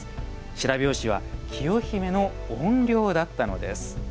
白拍子は清姫の怨霊だったのです。